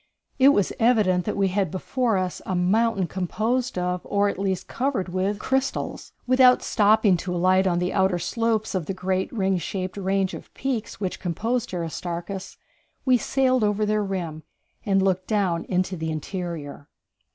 It was evident that we had before us a mountain composed of, or at least covered with, crystals. Without stopping to alight on the outer slopes of the great ring shaped range of peaks which composed Aristarchus, we sailed over their rim and looked down into the interior.